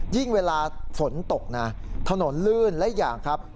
ยิ่งเวลาฝนตกนะถนนลื่นอะไรอย่างครับ